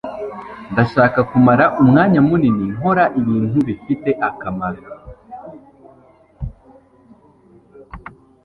ndashaka kumara umwanya munini nkora ibintu bifite akamaro